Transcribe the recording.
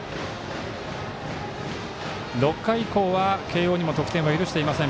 ６回以降は慶応には得点を許していません。